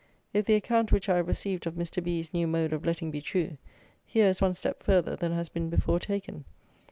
If the account which I have received of Mr. B 's new mode of letting be true, here is one step further than has been before taken.